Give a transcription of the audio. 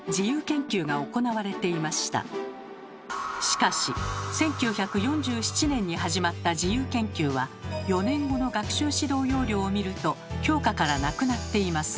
しかし１９４７年に始まった自由研究は４年後の学習指導要領を見ると教科からなくなっています